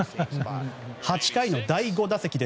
８回の第５打席。